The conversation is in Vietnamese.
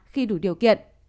khi đủ điều kiện